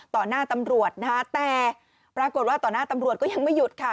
หน้าตำรวจนะคะแต่ปรากฏว่าต่อหน้าตำรวจก็ยังไม่หยุดค่ะ